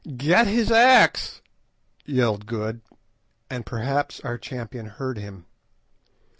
"Get his axe!" yelled Good; and perhaps our champion heard him.